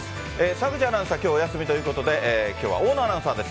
澤口アナウンサー、きょうお休みということで、きょうは大野アナウンサーです。